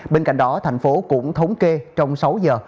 bên cạnh đó thành phố cũng thống kê trong sáu giờ